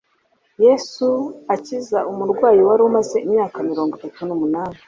Yesu akiza umurwayi wari umaze imyaka mirongo itatu n’umunani